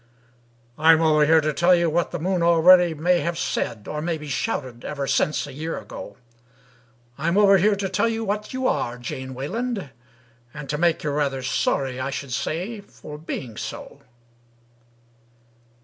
"— "I'm over here to tell you what the moon already May have said or maybe shouted ever since a year ago; I'm over here to tell you what you are, Jane Wayland, And to make you rather sorry, I should say, for being so."